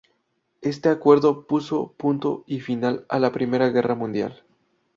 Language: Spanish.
Este acuerdo puso punto y final a la I Guerra Mundial.